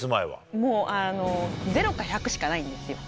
もうゼロか１００しかないんですよ。